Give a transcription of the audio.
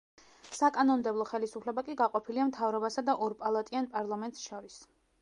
საკანონმდებლო ხელისუფლება კი გაყოფილია მთავრობასა და ორპალატიან პარლამენტს შორის.